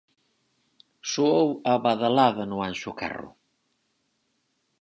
Soou a badalada no Anxo Carro.